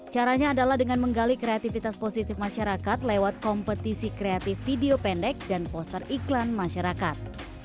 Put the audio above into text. caranya adalah dengan menggali kreativitas positif masyarakat lewat kompetisi kreatif video pendek dan poster iklan masyarakat